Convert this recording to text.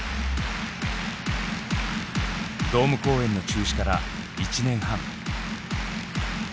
ドーム公演の中止から１年半。